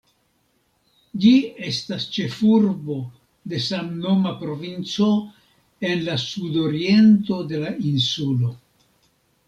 Ĝi estas ĉefurbo de samnoma provinco, en la sudoriento de la insulo.